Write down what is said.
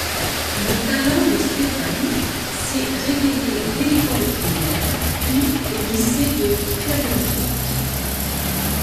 Le talent de Stefan s'est révélé dès l'école primaire puis au lycée de Klagenfurt.